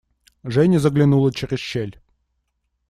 Женя заглянула через щель.